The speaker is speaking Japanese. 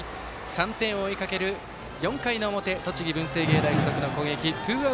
３点を追いかける４回の表栃木、文星芸大付属の攻撃。